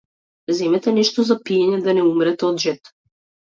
Земете нешто за пиење да не умрете од жед.